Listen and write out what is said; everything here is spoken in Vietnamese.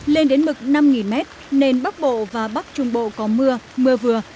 lên đến mực năm m nền bắc bộ và bắc trung bộ có mưa mưa vừa